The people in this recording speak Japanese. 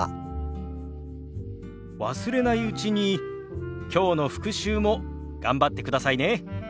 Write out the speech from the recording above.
忘れないうちにきょうの復習も頑張ってくださいね。